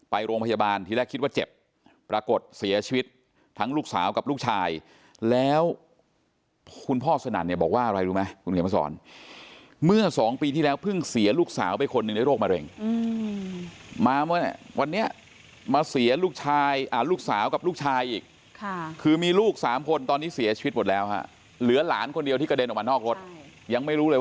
ไปโรงพยาบาลทีแรกคิดว่าเจ็บปรากฏเสียชีวิตทั้งลูกสาวกับลูกชายแล้วคุณพ่อสนั่นเนี่ยบอกว่าอะไรรู้ไหมคุณเขียนมาสอนเมื่อสองปีที่แล้วเพิ่งเสียลูกสาวไปคนหนึ่งด้วยโรคมะเร็งมาเมื่อวันนี้มาเสียลูกชายลูกสาวกับลูกชายอีกคือมีลูกสามคนตอนนี้เสียชีวิตหมดแล้วฮะเหลือหลานคนเดียวที่กระเด็นออกมานอกรถยังไม่รู้เลย